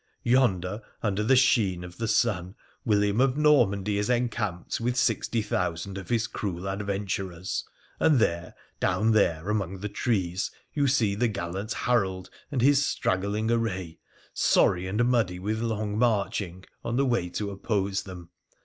Yonder, under the sheen of the sun, William of Normandy is encamped with sixty thousand of his cruel adventurers, and there, down there among the trees, you see the gallant Harold and his straggling array, sorry and muddy with long marching, on the way to oppose them.